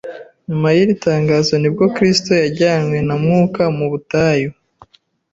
Nyuma y’iri tangazo ni bwo Kristo yajyanywe na Mwuka mu butayu.